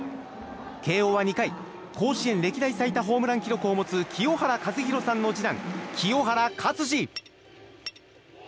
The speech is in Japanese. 慶應は２回甲子園歴代最多ホームラン記録を持つ清原和博さんの次男・清原勝児。